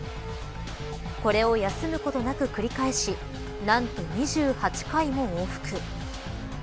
これを休むことなく繰り返し何と２８回も往復。